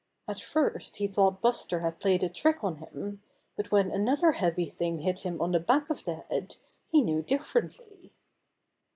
At first he thought Buster had played a trick on him, but when another heavy thing hit him on the back of the head he knew differently.